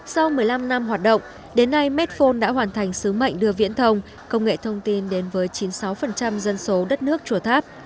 sau một mươi năm năm hoạt động đến nay medphone đã hoàn thành sứ mệnh đưa viễn thông công nghệ thông tin đến với chín mươi sáu dân số đất nước chùa tháp